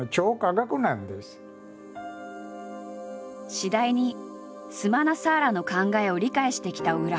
次第にスマナサーラの考えを理解してきた小倉。